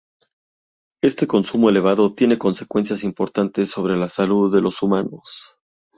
Este consumo elevado tiene consecuencias importantes sobre la salud de los humanos.